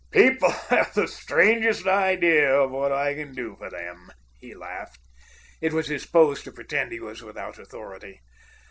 "People have the strangest idea of what I can do for them," he laughed. It was his pose to pretend he was without authority.